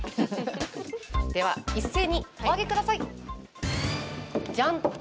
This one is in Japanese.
では一斉にお上げください。じゃん！